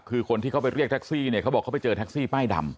คือคนที่เขาไปเรียกแท็กซี่เนี่ยเขาบอกเขาไปเจอแท็กซี่ป้ายดำ